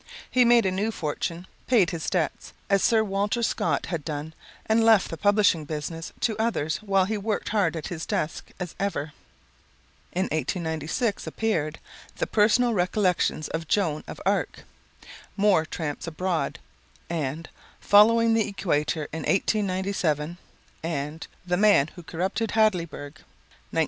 He made a new fortune, paid his debts, as Sir Walter Scott had done and left the publishing business to others while he worked hard at his desk as ever. In 1896 appeared "The Personal Recollections of Joan of Arc", "More Tramps Abroad" and "Following the Equator in 1897 and "The Man Who Corrupted Hadleyburg," 1900.